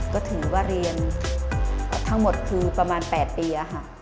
ก็ถือว่าเรียนทั้งหมดคือประมาณ๘ปีค่ะ